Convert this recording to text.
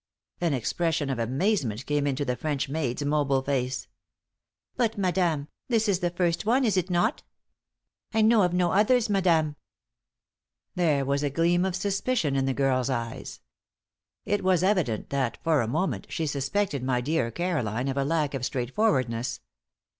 An expression of amazement came into the French maid's mobile face. "But, madame, this is the first one, is it not? I know of no others, madame." There was a gleam of suspicion in the girl's eyes. It was evident that, for a moment, she suspected my dear Caroline of a lack of straight forwardness.